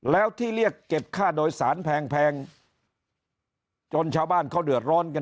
แล้วที่เรียกเก็บค่าโดยสารแพงจนชาวบ้านเขาเดือดร้อนกัน